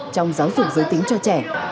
trong giáo dục giới tính cho trẻ